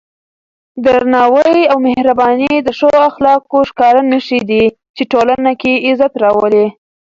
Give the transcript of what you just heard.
درناوی او مهرباني د ښو اخلاقو ښکاره نښې دي چې ټولنه کې عزت راولي.